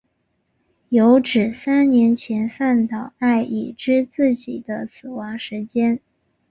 有指三年前饭岛爱已知自己的死亡时间。